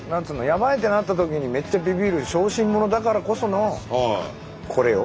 やばいってなった時にめっちゃビビる小心者だからこそのこれよ。